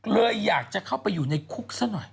เลยอยากจะเข้าไปอยู่ในคุกซะหน่อย